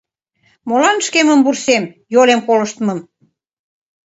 Молан, шкемым вурсем, йолем колыштым?